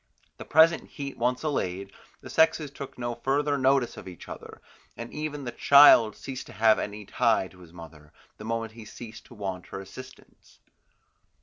The present heat once allayed, the sexes took no further notice of each other, and even the child ceased to have any tie in his mother, the moment he ceased to want her assistance.